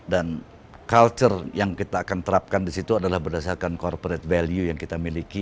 dan culture yang kita akan terapkan di situ adalah berdasarkan corporate value yang kita miliki